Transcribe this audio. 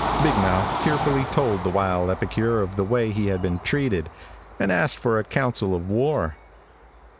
Big Mouth tearfully told the wild epicure of the way he had been treated, and asked for a council of war.